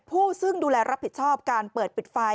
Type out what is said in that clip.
ผู้ซึ่งดูแลรับผิดชอบการเปิดปิดไฟ